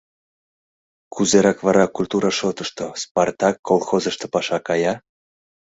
Кузерак вара культура шотышто «Спартак» колхозышто паша кая?